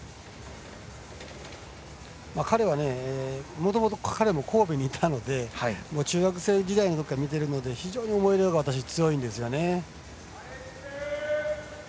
もともと彼は神戸にいたので中学生時代のときから見ているので非常に思い入れが私、強いんですよね。